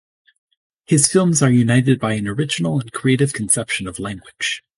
His films are united by an original and creative conception of language.